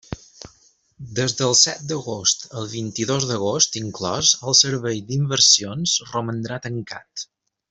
Des del set d'agost al vint-i-dos d'agost inclòs el Servei d'Inversions romandrà tancat.